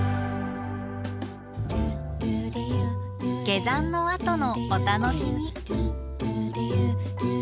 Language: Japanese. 下山のあとのお楽しみ。